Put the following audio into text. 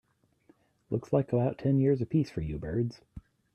Looks like about ten years a piece for you birds.